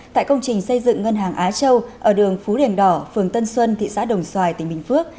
tại công trình xây dựng ngân hàng á châu ở đường phú đèn đỏ phường tân xuân thị xã đồng xoài tỉnh bình phước